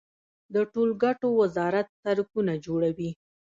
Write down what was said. د ټولګټو وزارت سړکونه جوړوي